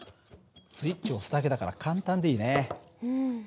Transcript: スイッチを押すだけだから簡単でいいね。